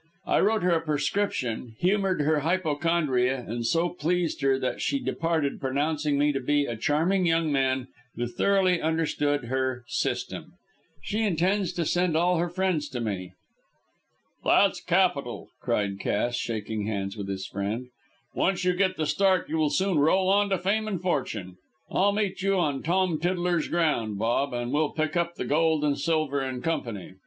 I wrote her a prescription, humoured her hypochondria, and so pleased her that she departed, pronouncing me to be a charming young man who thoroughly understood her 'system.' She intends to send all her friends to me." "That's capital," cried Cass, shaking hands with his friend. "Once you get the start you will soon roll on to fame and fortune. I'll meet you on Tom Tiddler's ground, Bob, and we'll pick up the gold and silver in company.